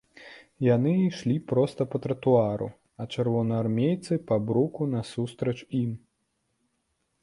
Яны ішлі проста па тратуары, а чырвонаармейцы па бруку насустрач ім.